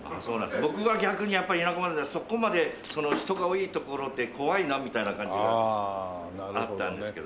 僕は逆にやっぱ田舎者でそこまで人が多い所って怖いなみたいな感じがあったんですけどね。